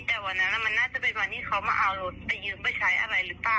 แต่วันนั้นมันน่าจะเป็นวันที่เขามาเอารถไปยืมไปใช้อะไรหรือเปล่า